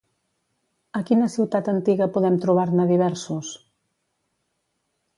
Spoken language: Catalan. A quina ciutat antiga podem trobar-ne diversos?